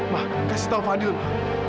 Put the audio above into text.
ma kasih tahu fadil ma